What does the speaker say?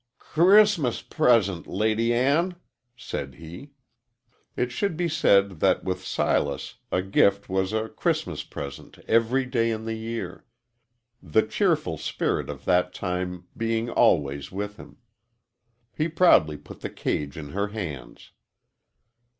"C'ris'mus p present, Lady Ann," said he. It should be said that with Silas a gift was a "Christmas present" every day in the year the cheerful spirit of that time being always with him. He proudly put the cage in her hands.